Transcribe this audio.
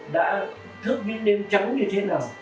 đã thước những đêm trắng như thế nào